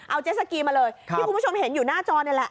เอาเจสสกีมาเลยที่คุณผู้ชมเห็นอยู่หน้าจอนี่แหละ